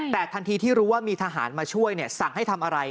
แต่ทันทีที่รู้ว่ามีทหารมาช่วยสั่งให้ทำอะไร